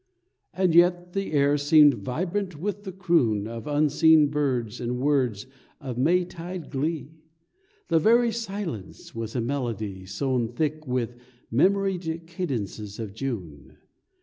And yet the air seemed vibrant with the croon Of unseen birds and words of May tide glee; The very silence was a melody Sown thick with memoried cadences of June.